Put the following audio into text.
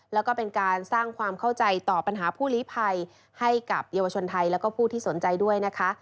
แล้วก็เป็นการสร้างความเข้าใจต่อปัญหาผู้ลีภัยให้กับเยาวชนไทยแล้วก็ผู้ที่สนใจด้วยนะคะ